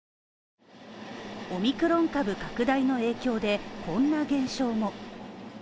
オミクロン株拡大の影響で、こんな現象も。